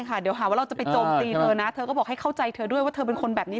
เดี๋ยวหาว่าเราจะไปโจมตีเธอนะเธอก็บอกให้เข้าใจเธอด้วยว่าเธอเป็นคนแบบนี้